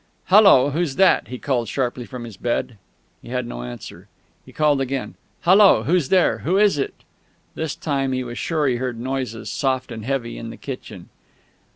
"Hallo!... Who's that?" he called sharply from his bed. He had no answer. He called again. "Hallo!... Who's there?... Who is it?" This time he was sure he heard noises, soft and heavy, in the kitchen.